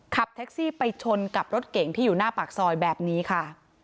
ขับแท็กซี่ไปชนกับรถเก่งที่อยู่หน้าปากซอยแบบนี้ค่ะ